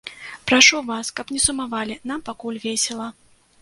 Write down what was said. Прашу вас, каб не сумавалі, нам пакуль весела.